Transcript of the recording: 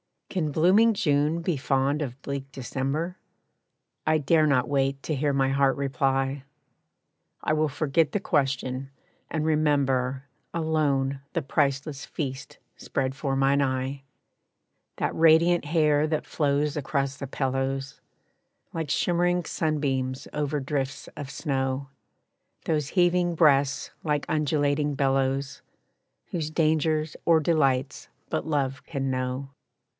Can blooming June be fond of bleak December? I dare not wait to hear my heart reply. I will forget the question and remember Alone the priceless feast spread for mine eye, That radiant hair that flows across the pillows, Like shimmering sunbeams over drifts of snow; Those heaving breasts, like undulating billows, Whose dangers or delights but Love can know.